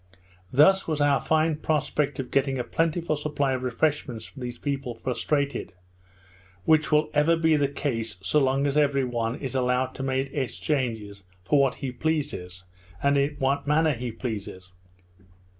Thus was our fine prospect of getting a plentiful supply of refreshments from these people frustrated; which will ever be the case so long as every one is allowed to make exchanges for what he pleases, and in what manner be pleases.